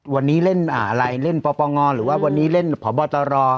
วันนี้เล่นอะไรเล่นพ่อป้องงอหรือว่าวันนี้เล่นพ่อบอตรอ